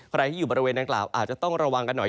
ใครที่อยู่บริเวณนางกล่าวอาจจะต้องระวังกันหน่อย